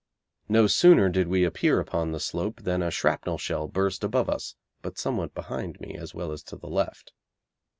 No sooner did we appear upon the slope than a shrapnel shell burst above us, but somewhat behind me, as well as to the left.